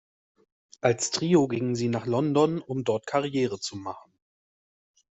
Als Trio gingen sie nach London, um dort Karriere zu machen.